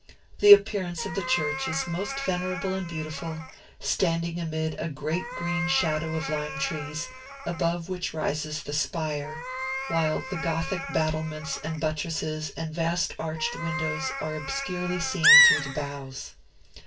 The appearance of the church is most venerable and beautiful, standing amid a great green shadow of lime trees, above which rises the spire, while the Gothic battlements and buttresses and vast arched windows are obscurely seen through the boughs.